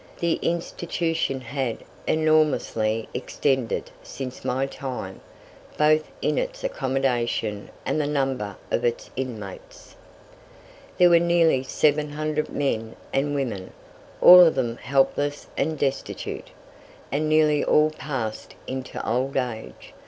The institution had enormously extended since my time, both in its accommodation and the number of its inmates. There were nearly 700 men and women, all of them helpless and destitute, and nearly all passed into old age.